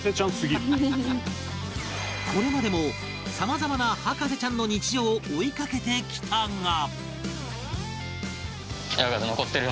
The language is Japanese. これまでもさまざまな博士ちゃんの日常を追いかけてきたが